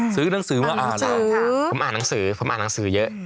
ซื้อหนังสือมาอ่านครับผมอ่านหนังสือเยอะ